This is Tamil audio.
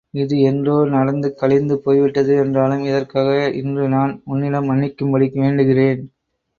இது என்றோ நடந்து கழிந்து போய்விட்டது என்றாலும் இதற்காக இன்று நான் உன்னிடம் மன்னிக்கும்படி வேண்டுகிறேன்!